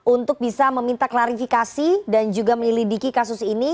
untuk bisa meminta klarifikasi dan juga menyelidiki kasus ini